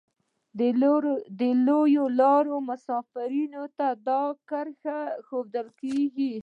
د لویې لارې مسافرینو ته دا کرښه ښودل کیږي